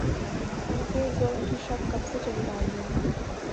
ان پہ ظلم کی شب کب سے چلی آ رہی ہے۔